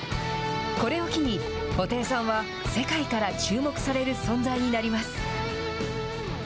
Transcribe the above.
これを機に、布袋さんは世界から注目される存在になります。